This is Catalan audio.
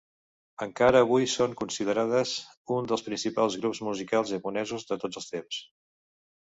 Encara avui són considerades un dels principals grups musicals japonesos de tots els temps.